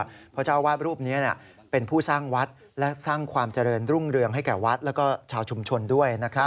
เพราะเจ้าอาวาสรูปนี้เป็นผู้สร้างวัดและสร้างความเจริญรุ่งเรืองให้แก่วัดแล้วก็ชาวชุมชนด้วย